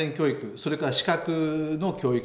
それから資格の教育。